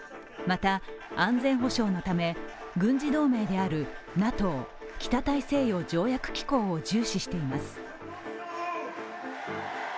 また、安全保障のため軍事同盟であるＮＡＴＯ＝北大西洋条約機構を重視しています。